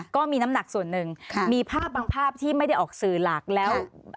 ก็มีน้ำหนักส่วนหนึ่งมีภาพบางภาพที่ไม่ได้ออกสื่อหลักแล้ว